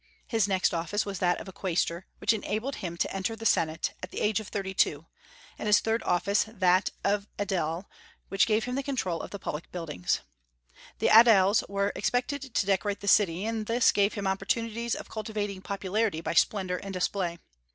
His next office was that of Quaestor, which enabled him to enter the Senate, at the age of thirty two; and his third office, that of Aedile, which gave him the control of the public buildings: the Aediles were expected to decorate the city, and this gave him opportunities of cultivating popularity by splendor and display.